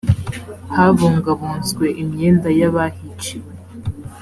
habungabunzwe imyenda y’ abahiciwe.